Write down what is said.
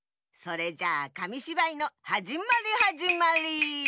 それじゃあかみしばいのはじまりはじまり！